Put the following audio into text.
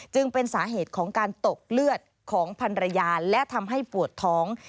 จึงเป็นสาเหตุของการตกเลือดของพันรยาและทำให้ปวดท้อง